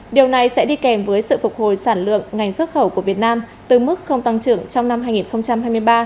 điều này sẽ đi kèm với sự phục hồi sản lượng ngành xuất khẩu của việt nam từ mức không tăng trưởng trong năm hai nghìn hai mươi ba